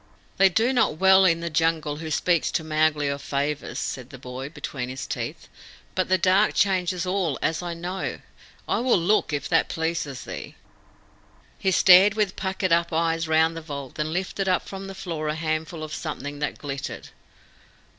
"They do not well in the Jungle who speak to Mowgli of favours," said the boy, between his teeth; "but the dark changes all, as I know. I will look, if that please thee." He stared with puckered up eyes round the vault, and then lifted up from the floor a handful of something that glittered.